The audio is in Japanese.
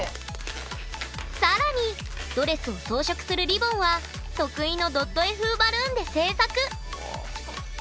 更にドレスを装飾するリボンは得意のドット絵風バルーンで制作！